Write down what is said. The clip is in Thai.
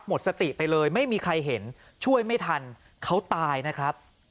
หมดสติไปเลยไม่มีใครเห็นช่วยไม่ทันเขาตายนะครับ